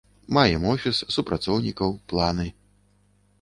Маем офіс, супрацоўнікаў, планы.